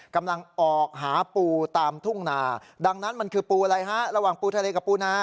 กำลังออกหาปูตามทุ่งนาดังนั้นมันคือปูอะไรฮะระหว่างปูทะเลกับปูนา